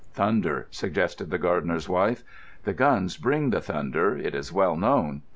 "Thunder," suggested the gardener's wife. "The guns bring the thunder; it is well known."